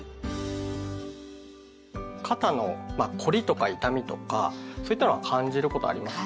肩のまあ凝りとか痛みとかそういったのは感じることありますか？